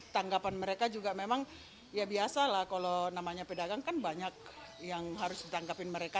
tanggapan mereka juga memang ya biasa lah kalau namanya pedagang kan banyak yang harus ditanggapin mereka